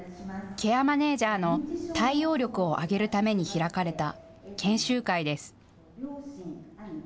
ケアマネージャーの対応力を上げるために開かれた研修会です。